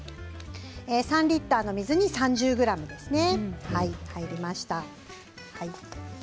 ３リットルの水に３０ｇですね、入りました。